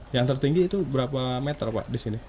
yang tertinggi itu berapa meter pak di sini